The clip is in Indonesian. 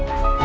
oh tenang ya